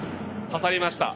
刺さりました。